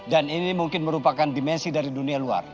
dan ini mungkin merupakan dimensi dari dunia luar